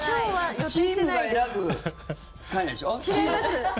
「チームが選ぶ会」でしょ？